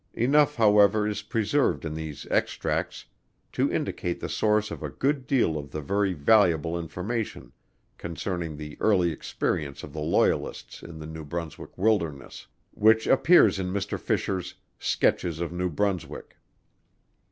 Enough, however, is preserved in these extracts to indicate the source of a good deal of the very valuable information concerning the early experience of the Loyalists in the New Brunswick wilderness, which appears in Mr. Fisher's "Sketches of New Brunswick."